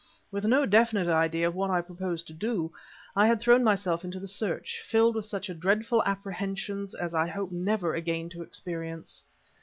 With no definite idea of what I proposed to do, I had thrown myself into the search, filled with such dreadful apprehensions as I hope never again to experience.